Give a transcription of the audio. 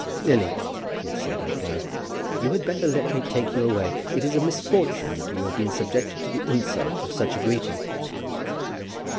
"Lily," he had said out loud, "you had better let me take you away. It is a misfortune that you have been subjected to the insult of such a greeting."